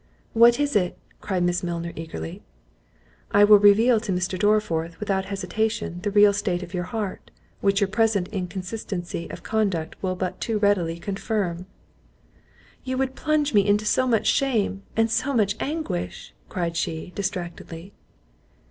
"What is it?" cried Miss Milner eagerly. "I will reveal to Mr. Dorriforth, without hesitation, the real state of your heart; which your present inconsistency of conduct will but too readily confirm." "You would not plunge me into so much shame, into so much anguish!" cried she, distractedly.